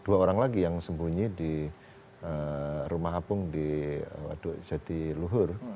ada dua orang lagi yang sembunyi di rumah apung di waduk jati luhur